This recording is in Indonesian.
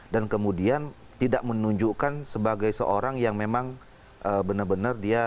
dan kemudian tidak menunjukkan sebagai seorang yang memang benar benar dia